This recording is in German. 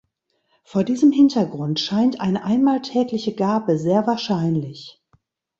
Vor diesem Hintergrund scheint eine einmal tägliche Gabe sehr wahrscheinlich.